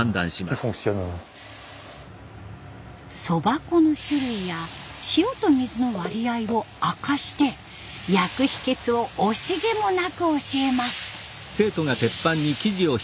そば粉の種類や塩と水の割合を明かして焼く秘けつを惜しげもなく教えます。